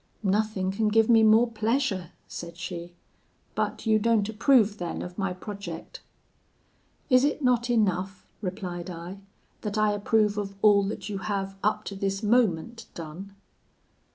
"'Nothing can give me more pleasure,' said she; 'but you don't approve then of my project?' "'Is it not enough,' replied I, 'that I approve of all that you have, up to this moment, done?'